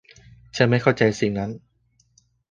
ฉันไม่เข้าใจสิ่งนั้น